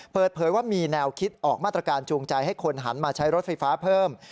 เปิดเผยว่ามีแนวคิดออกมาตรการจูงใจให้คนหันมาใช้รถไฟฟ้าเพิ่ม